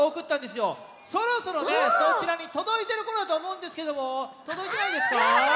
そろそろそちらにとどいてるころやとおもうんですけどもとどいてないですか？